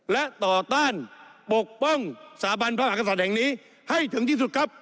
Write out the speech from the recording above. และต่อต้านปกป้องสถาบันพระมหากษัตริย์แห่งนี้ให้ถึงที่สุดครับ